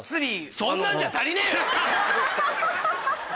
そんなんじゃ足りねえよ！